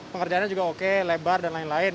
pengerjaannya juga oke lebar dan lain lain